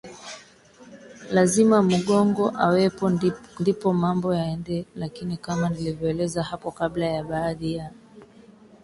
lazima Mghongo awepo ndipo mambo yaende Lakini kama nilivyoeleza hapo kabla kwa baadhi ya